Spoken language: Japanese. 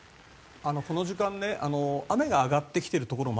この時間、雨が上がってきているところも